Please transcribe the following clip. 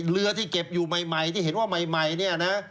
เรือที่เก็บอยู่ใหม่ที่เห็นว่าใหม่เนี่ยนะ